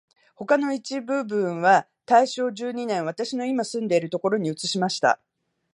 他の一部分は大正十二年、私のいま住んでいるところに移しました